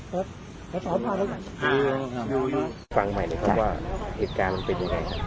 ฟังใหม่เลยครับว่าเหตุการณ์มันเป็นยังไงครับ